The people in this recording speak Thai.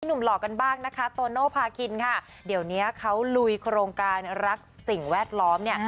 หล่อกันบ้างนะคะโตโนภาคินค่ะเดี๋ยวเนี้ยเขาลุยโครงการรักสิ่งแวดล้อมเนี่ย